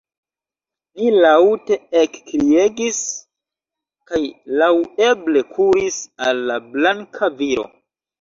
Ni laŭte ekkriegis, kaj laŭeble kuris al la blanka viro.